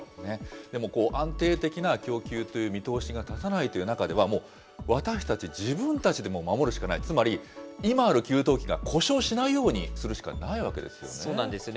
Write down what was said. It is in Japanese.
でもこう、安定的な供給という見通しが立たないという中では、もう私たち、自分たちで守るしかない、つまり今ある給湯器が故障しないようにするしかないわけですよね。